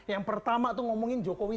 yang pertama tuh ngomongin jokowi